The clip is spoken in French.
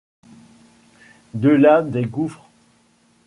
De là des gouffres.